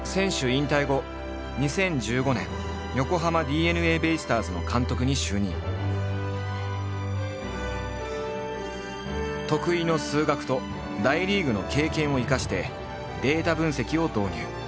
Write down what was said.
引退後得意の数学と大リーグの経験を生かしてデータ分析を導入。